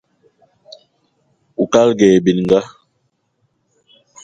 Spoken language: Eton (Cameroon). Oukalga aye bininga